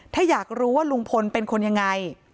ถ้าอยากรู้ว่าลุงพลเป็นคนยังไง